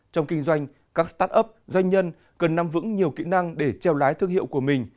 trong kinh doanh các start up doanh nhân cần nắm vững nhiều kỹ năng để treo lái thương hiệu của mình